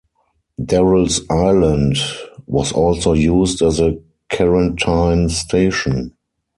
Darrell's Island was also used as a quarantine station.